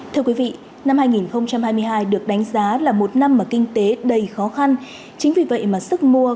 thưa quý vị năm hai nghìn hai mươi hai được đánh giá là một năm mà kinh tế đầy khó khăn chính vì vậy mà sức mua